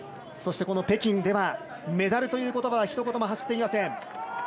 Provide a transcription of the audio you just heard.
そして、この北京ではメダルということばは一言も発していません。